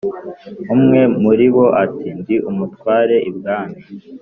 umwe muribo ati"ndi umutware ibwami